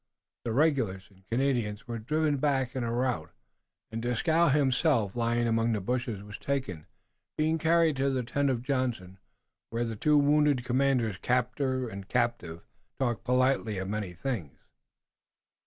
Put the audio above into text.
The regulars and Canadians were driven back in a rout, and Dieskau himself lying among the bushes was taken, being carried to the tent of Johnson, where the two wounded commanders, captor and captive, talked politely of many things.